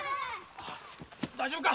大丈夫か？